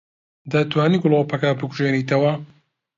دەتوانیت گڵۆپەکە بکوژێنیتەوە؟